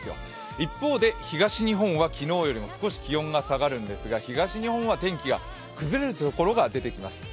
一方で東日本は昨日よりも少し気温が下がるんですが東日本は天気が崩れるところが出てきます。